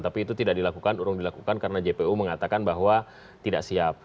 tapi itu tidak dilakukan urung dilakukan karena jpu mengatakan bahwa tidak siap